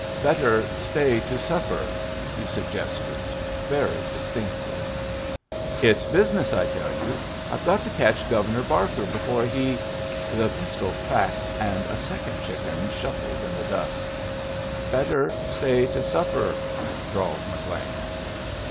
"Better stay to supper," he suggested, very distinctly. "It's business, I tell you. I've got to catch Governor Barker before he " The pistol cracked, and a second chicken shuffled in the dust. "Better stay to supper," drawled McLean.